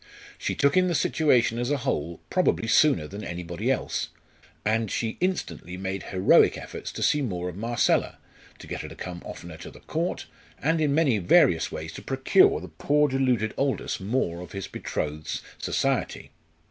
She took in the situation as a whole probably sooner than anybody else, and she instantly made heroic efforts to see more of Marcella, to get her to come oftener to the Court, and in many various ways to procure the poor deluded Aldous more of his betrothed's society.